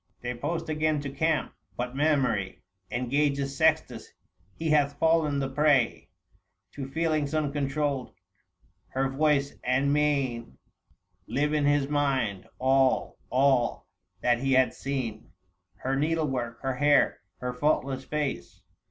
They post again to camp : but memory Engages Sextus ; lie bath fallen the prey To feelings uncontrolled ; her voice and mien Live in his mind— all, all that he had seen — 830 Her needlework, her hair, her faultless face.